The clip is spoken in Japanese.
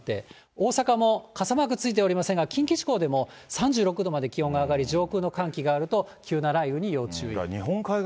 大阪も傘マークついておりませんが、近畿地方でも３６度まで気温が上がり、上空の寒気があると、急な雷雨に要注意。